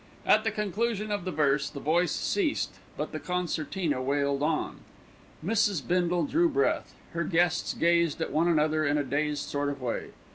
At the conclusion of the verse the voice ceased; but the concertina wailed on. Mrs. Bindle drew breath. Her guests gazed at one another in a dazed sort of way.